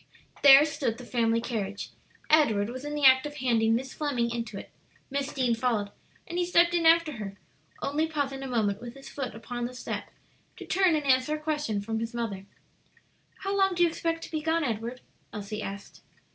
There stood the family carriage. Edward was in the act of handing Miss Fleming into it; Miss Deane followed, and he stepped in after her, only pausing a moment with his foot upon the step to turn and answer a question from his mother. "How long do you expect to be gone, Edward?" Elsie asked.